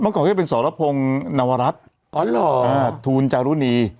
เมื่อก่อนก็เป็นสรพงศ์นวรัฐอ๋อเหรออ่าทูลจารุณี